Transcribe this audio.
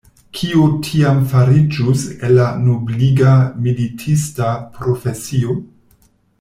Kio tiam fariĝus el la nobliga militista profesio?